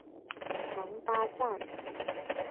蒙巴赞。